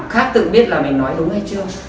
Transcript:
khác tự biết là mình nói đúng hay chưa